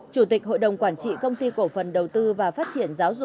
chủ tịch hội đồng quản trị công ty cổ phần đầu tư và phát triển giáo dục